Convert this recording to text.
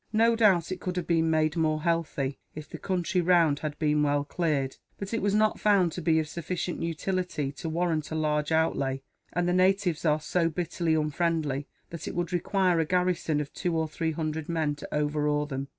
No doubt it could have been made more healthy, if the country round had been well cleared; but it was not found to be of sufficient utility to warrant a large outlay, and the natives are so bitterly unfriendly that it would require a garrison of two or three hundred men to overawe them.